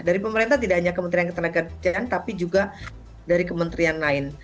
dari pemerintah tidak hanya kementerian ketenagakerjaan tapi juga dari kementerian lain